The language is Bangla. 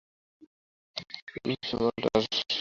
বললে, ঐ মালাটা আমাকে দাও-না সরলা।